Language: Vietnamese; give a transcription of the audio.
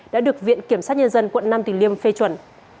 đã được viện kiểm sát nhân dân quận năm tỉnh liêm phê chuẩn